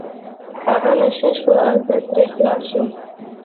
هغه نشه شو او زه ترې خلاص شوم.